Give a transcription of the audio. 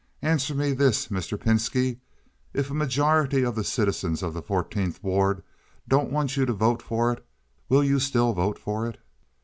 "Answer me this, Mr. Pinski. If a majority of the citizens of the Fourteenth Ward don't want you to vote for it, will you still vote for it?"